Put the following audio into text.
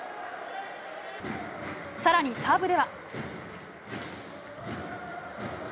さらにサーブでは。